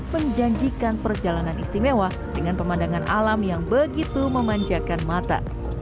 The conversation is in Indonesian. menjanjikan perjalanan istimewa dengan pemandangan alam yang begitu memanjakan mata